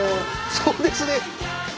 そうですね。